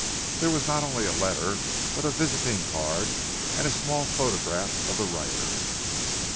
There was not only a letter but a visiting card and a small photograph of the writer.